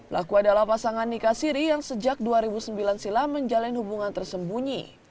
laku adalah pasangan nika siri yang sejak dua ribu sembilan silam menjalin hubungan tersembunyi